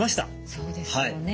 そうですよね